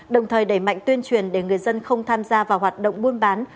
đồng thời đẩy mạnh tuyên truyền để người dân không tham gia vào hoạt động buôn bán